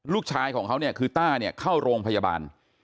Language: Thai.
ลูกชายของเขาเนี่ยคือต้าเนี่ยเข้าโรงพยาบาล